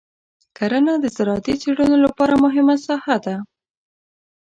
کرنه د زراعتي څېړنو لپاره مهمه ساحه ده.